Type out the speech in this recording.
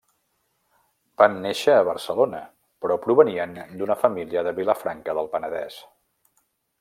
Van néixer a Barcelona, però provenien d'una família de Vilafranca del Penedès.